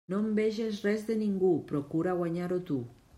No enveges res de ningú, procura guanyar-ho tu.